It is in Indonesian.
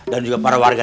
dan juga para warga